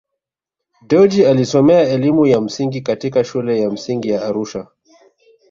Dewji Alisomea elimu ya msingi katika shule ya msingi ya Arusha